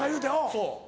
そう。